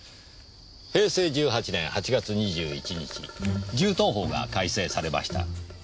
平成１８年８月２１日銃刀法が改正されました。